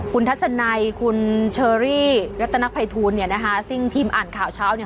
คุณทัศนัยคุณเชอรี่รัตนภัยทูลเนี่ยนะคะซึ่งทีมอ่านข่าวเช้าเนี่ย